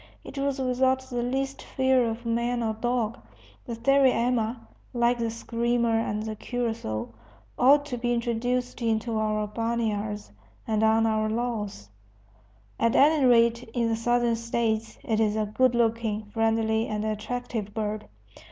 It was without the least fear of man or dog. The sariema (like the screamer and the curassow) ought to be introduced into our barnyards and on our lawns, at any rate in the Southern States; it is a good looking, friendly, and attractive bird.